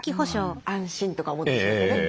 安心とか思ってしまってね。